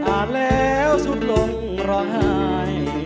อ่านแล้วสุดลงร้องไห้